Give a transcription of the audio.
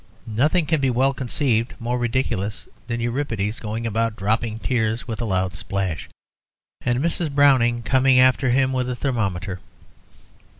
Nothing can be well conceived more ridiculous than Euripides going about dropping tears with a loud splash, and Mrs. Browning coming after him with a thermometer.